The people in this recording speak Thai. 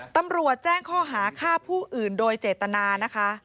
ตำรวจแจ้งข้อหาฆ่าผู้อื่นโดยเจตนานะคะ